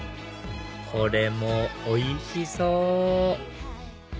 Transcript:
これもおいしそう！